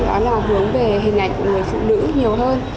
đó là hướng về hình ảnh của người phụ nữ nhiều hơn